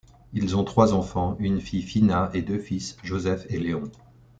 Ils ont trois enfants, une fille, Fina, et deux fils, Joseph et Léon.